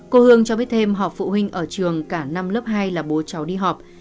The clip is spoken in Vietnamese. cô hương cho biết thêm học phụ huynh ở trường cả năm lớp hai là bố cháu đi học